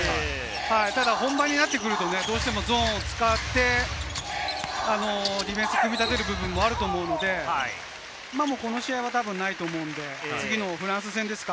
ただ、本番になってくると、どうしてもゾーンを使って、ディフェンスを組み立てる部分もあると思うので、この試合はたぶんないと思うので、次のフランス戦ですか。